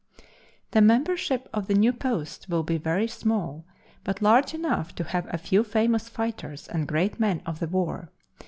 The membership of the new post will be very small, but large enough to have a few famous fighters and great men of the war.